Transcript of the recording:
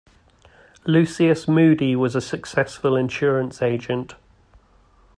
Lucius Moody was a successful insurance agent.